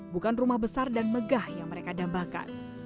bukan rumah besar dan megah yang mereka dambakan